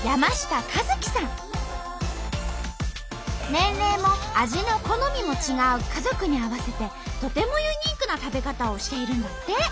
年齢も味の好みも違う家族に合わせてとてもユニークな食べ方をしているんだって！